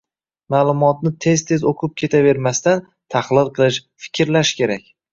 Ma’lumotni tez-tez o‘qib ketavermasdan, tahlil qilish, fikrlash kerak.